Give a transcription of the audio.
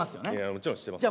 もちろん知ってますよ。